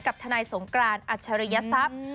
กับทนายสงกรานอัชริยสัพ